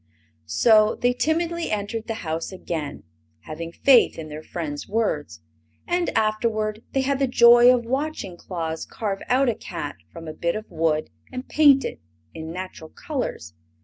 So they timidly entered the house again, having faith in their friend's words; and afterward they had the joy of watching Claus carve out a cat from a bit of wood and paint it in natural colors.